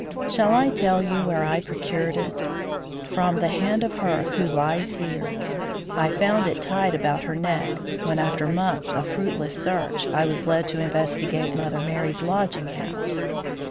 Shall I tell you where I procured it? From the hand of her who lies here. I found it tied about her neck, when, after months of fruitless search, I was led to investigate Mother Merry's lodging house.